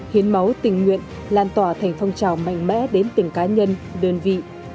hiến máu tình nguyện lan tỏa thành phong trào mạnh mẽ đến từng cá nhân đơn vị